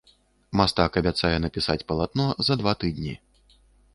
Мастак абяцае напісаць палатно за два тыдні.